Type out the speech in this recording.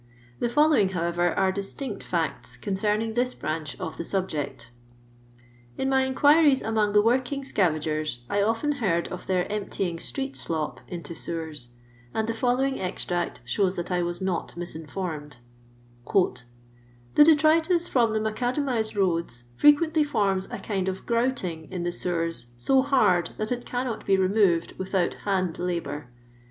The following, however, are distinct &cts con eemiqg this branch of the subject In my inquiries among the working scavagers I often heard of their emptying street slop into eewen, and^the following extract shows that I was not misinformed :—" The detritus from the macadamized roads frequently forms a kind of grouting in the sewers ■0 hard that it cannot be removed without hand labour.'